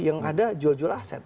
yang ada jual jual aset